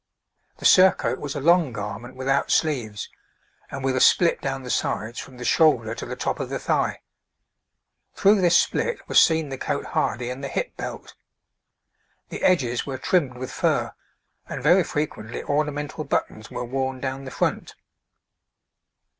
The surcoat was a long garment without sleeves, and with a split down the sides from the shoulder to the top of the thigh; through this split was seen the cotehardie and the hip belt. The edges were trimmed with fur, and very frequently ornamental buttons were worn down the front.